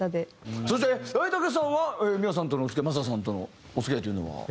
そして文武さんは美和さんとのお付き合いマサさんとのお付き合いというのは？